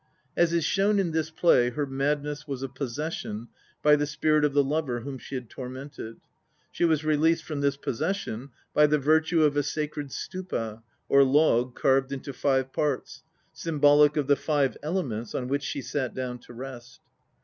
As is shown in this play, her madness was a "possession" by the spirit of the lover whom she had tormented. She was released from this "possession" by the virtue of a sacred Stupa * or log carved into five parts, symbolic of the Five Elements, on which she sat down to rest.